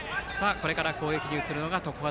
これから攻撃に移るのが常葉